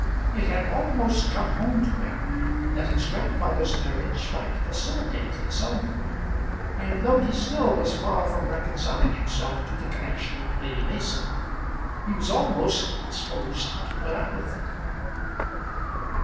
It had almost come home to him that his grandfather's marriage might facilitate his own; and though he still was far from reconciling himself to the connection with Lady Mason, he was almost disposed to put up with it.